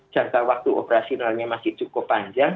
jangka waktu operasionalnya masih cukup panjang